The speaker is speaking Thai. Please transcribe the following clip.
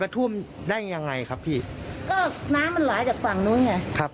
ท่วมได้ยังไงครับพี่ก็น้ำมันไหลจากฝั่งนู้นไงครับ